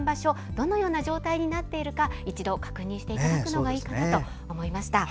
どんな状態になっているか一度確認していただくのがいいかなと思いました。